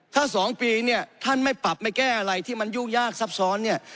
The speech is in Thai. ถ้า๒ปีท่านไม่ปรับไม่แก้อะไรที่มันยุ่งยากซับซ้อน